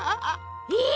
え？